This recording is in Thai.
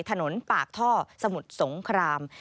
ถนนปากท่อสมุทรสงคราม